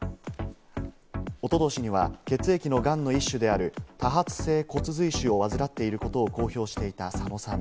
おととしには血液のがんの一種である、多発性骨髄腫を患っていることを公表していた、佐野さん。